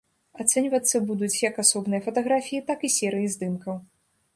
Ацэньвацца будуць як асобныя фатаграфіі, так і серыі здымкаў.